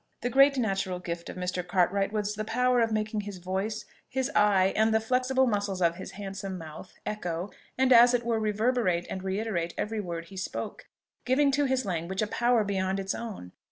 The great natural gift of Mr. Cartwright was the power of making his voice, his eye, and the flexible muscles of his handsome mouth, echo, and, as it were reverberate and reiterate every word he spoke, giving to his language a power beyond its own.